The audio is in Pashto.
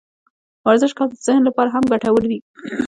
ورزش کول د ذهن لپاره هم ګټور دي.